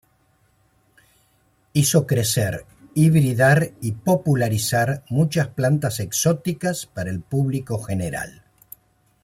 Hizo crecer, hibridar y popularizar muchas plantas exóticas para el público general.